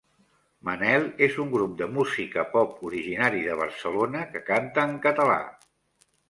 Manel és un grup de música pop originari de Barcelona que canta en català